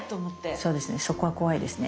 そうですね。